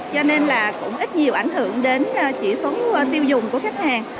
cho nên là cũng ít nhiều ảnh hưởng đến chỉ số tiêu dùng của khách hàng